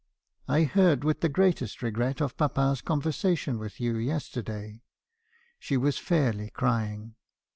I heard with the greatest regret of papa's conversation with you yesterday.' She was fairly crying.